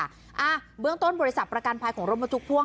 อ่าเบื้องต้นบริษัทประกันภัยของรถบรรทุกพ่วง